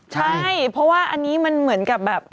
ใช่เพราะว่าอันนี้มันเหมือนกับแบบ